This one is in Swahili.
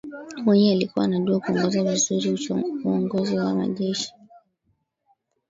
Mwinyi alikua anajua kuongoza vizuri uongozi wa majeshi